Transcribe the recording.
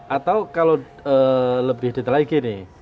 atau kalau lebih detail lagi nih